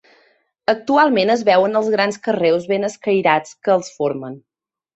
Actualment es veuen els grans carreus ben escairats que els formen.